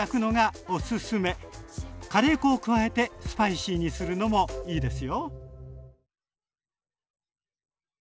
カレー粉を加えてスパイシーにするのもいいですよ。